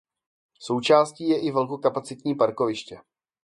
Součástí je i velkokapacitní parkoviště.